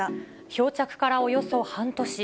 漂着からおよそ半年。